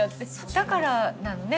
だからなのね